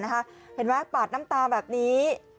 เห็นไหมปาดน้ำตาแบบนี้